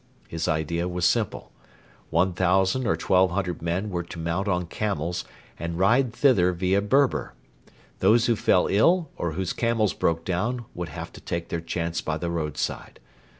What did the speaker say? His idea was simple. One thousand or twelve hundred men were to mount on camels and ride thither via Berber. Those who fell ill or whose camels broke down would have to take their chance by the roadside.